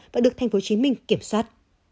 và được tp hcm kiểm soát